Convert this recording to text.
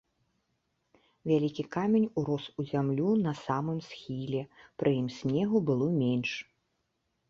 Вялікі камень урос у зямлю на самым схіле, пры ім снегу было менш.